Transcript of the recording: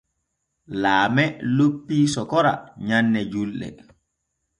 Laame loppii sokora nyanne julɗe.